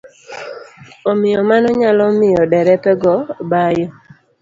Omiyo mano nyalo miyo derepe go ba yo.